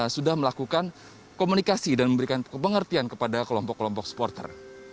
sudah melakukan komunikasi dan memberikan pengertian kepada kelompok kelompok supporter